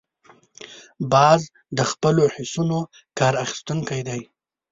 باز د خپلو حسونو کار اخیستونکی دی